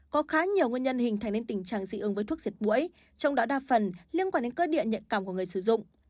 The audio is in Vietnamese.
có khá nhiều nguyên nhân hình thành nên tình trạng dị ứng với thuốc diệt mũi trong đó đa phần liên quan đến cơ điện nhận cảm của người sử dụng